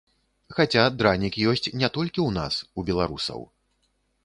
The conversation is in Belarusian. Хаця дранік ёсць не толькі ў нас, у беларусаў.